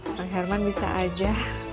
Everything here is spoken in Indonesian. bang herman bisa aja